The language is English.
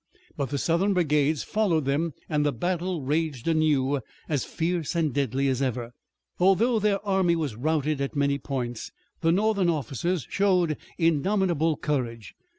But Southern brigades followed them and the battle raged anew, as fierce and deadly as ever. Although their army was routed at many points the Northern officers showed indomitable courage.